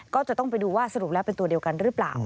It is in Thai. ก็จะต้องไปดูว่าสรุปแล้วเป็นตัวเดียวกันหรือเปล่า